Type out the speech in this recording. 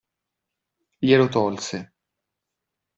Glielo tolse.